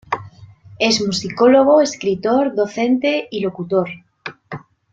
Es musicólogo, escritor, docente y locutor.